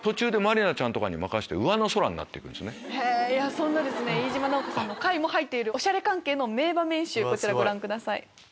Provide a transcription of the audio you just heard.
そんなですね飯島直子さんの回も入っている『おしゃれカンケイ』の名場面集こちらご覧ください。